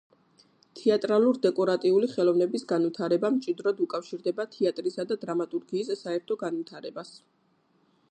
თეატრალურ-დეკორატიული ხელოვნების განვითარება მჭიდროდ უკავშირდება თეატრისა და დრამატურგიის საერთო განვითარებას.